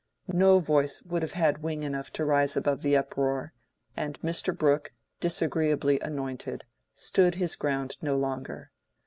No voice would have had wing enough to rise above the uproar, and Mr. Brooke, disagreeably anointed, stood his ground no longer.